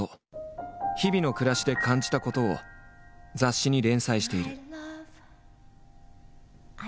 日々の暮らしで感じたことを雑誌に連載している。